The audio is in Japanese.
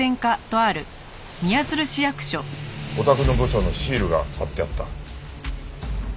お宅の部署のシールが貼ってあった。